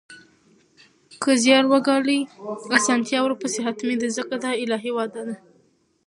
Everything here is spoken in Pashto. که زیار وګالئ، اسانتیا ورپسې حتمي ده ځکه دا الهي وعده ده